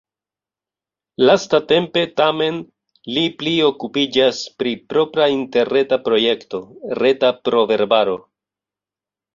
Lastatempe tamen li pli okupiĝas pri propra interreta projekto: reta proverbaro.